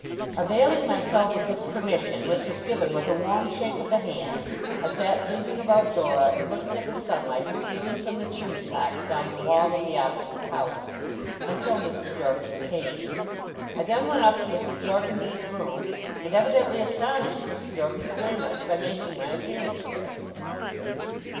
Availing myself of this permission, which was given with a warm shake of the hand, I sat thinking about Dora, and looking at the sunlight stealing from the chimney pots down the wall of the opposite house, until Mr. Jorkins came. I then went up to Mr. Jorkins's room, and evidently astonished Mr. Jorkins very much by making my appearance there.